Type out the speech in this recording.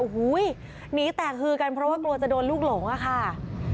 โอ้โหหนีแตกฮือกันเพราะว่ากลัวจะโดนลูกหลงอะค่ะ